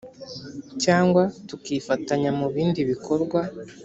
cyangwa tukifatanya mu bindi bikorwa